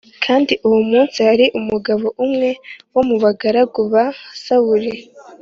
Kandi uwo munsi hari umugabo umwe wo mu bagaragu ba Sawuli